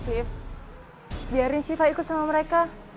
afif biarin shifa ikut sama mereka